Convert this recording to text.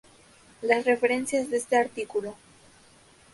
Las referencias de este artículo.